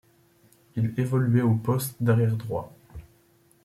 Il évoluait au poste d'arrière droit.